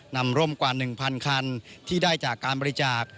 ร่มกว่า๑๐๐คันที่ได้จากการบริจาค